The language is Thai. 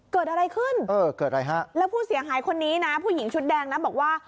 เกิดอะไรขึ้นแล้วผู้เสียหายคนนี้ผู้หญิงชุดแดงนะบอกว่า